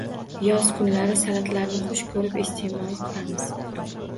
Yoz kunlari salatlarni xush koʻrib isteʼmol qilamiz